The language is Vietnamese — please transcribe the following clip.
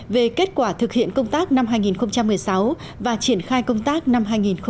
về kết quả thực hiện công tác năm hai nghìn một mươi sáu và triển khai công tác năm hai nghìn một mươi chín